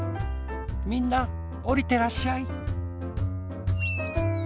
みんなおりてらっしゃい。